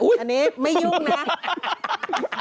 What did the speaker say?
อุ๊ยอันนี้ไม่ยุ่งนะ